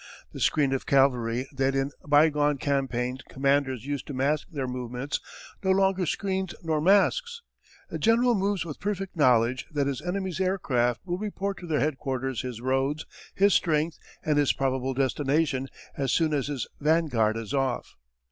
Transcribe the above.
The "screen of cavalry" that in bygone campaigns commanders used to mask their movements no longer screens nor masks. A general moves with perfect knowledge that his enemy's aircraft will report to their headquarters his roads, his strength, and his probable destination as soon as his vanguard is off.